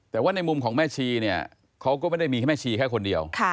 แต่ว่าในมุมของแม่ชีเนี่ยเขาก็ไม่ได้มีแค่แม่ชีแค่คนเดียว